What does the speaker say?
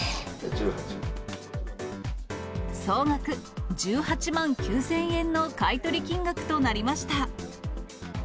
総額１８万９０００円の買い取り金額となりました。